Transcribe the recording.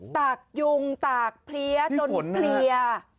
ตากยุงตากเพลี้ยจนเพลีย